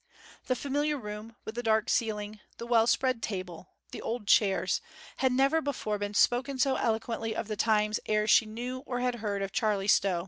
The familiar room, with the dark ceiling, the well spread table, the old chairs, had never before spoken so eloquently of the times ere she knew or had heard of Charley Stow.